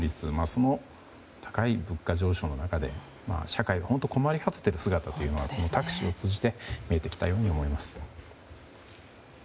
その高い物価上昇の中で社会が本当に困り果てている姿がタクシーを通じて見えてきたように思います。